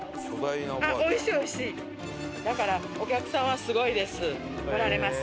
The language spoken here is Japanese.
だからお客さんはすごいです。来られます。